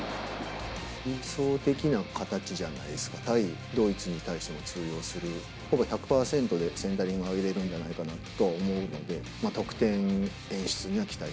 理想的な形じゃないですか、対ドイツに対しても通用する、ほぼ１００％でセンタリングをあげれるんじゃないかなと思うので。